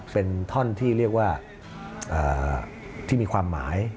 เป็นท่อนที่เรียกว่าที่มีความหมาย